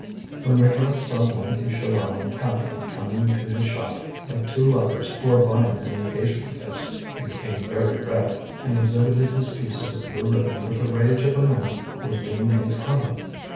When Maigrat saw lanky Chaval and Catherine coming to his shop like two lovers who are buying their engagement gifts, he became very red, and exhibited his pieces of blue ribbon with the rage of a man who is being made fun of.